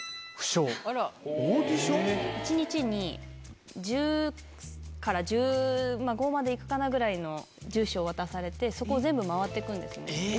１日に１０から１５までいくかなぐらいの住所を渡されてそこを全部回っていくんですね。